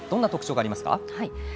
どんな特徴がありますか？